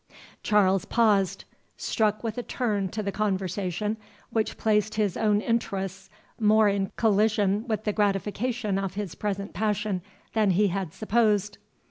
Charles paused, struck with a turn to the conversation which placed his own interests more in collision with the gratification of his present passion than he had supposed.